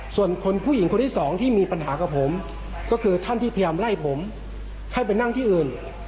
ส่วนคนผู้หญิงคนที่สองที่มีปัญหากับผมก็คือท่านที่พยายามไล่ผมให้ไปนั่งที่อื่น